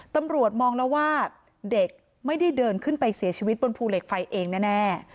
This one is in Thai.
ตำรวจมองแล้วว่าเด็กไม่ได้เดินขึ้นไปเสียชีวิตบนภูเหล็กไฟเองแน่